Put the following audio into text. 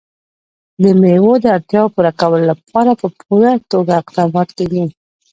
د مېوو د اړتیاوو پوره کولو لپاره په پوره توګه اقدامات کېږي.